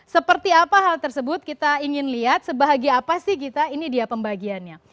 seperti apa hal tersebut kita ingin lihat sebahagi apa sih gita ini dia pembagiannya